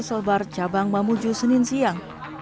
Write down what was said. selbar cabang mamuju senin siang